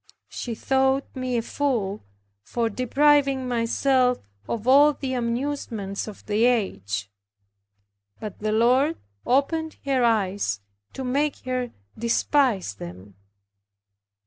She thought me a fool, for depriving myself of all the amusements of the age. But the Lord opened her eyes, to make her despise them.